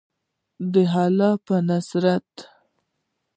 د الله په نصرت.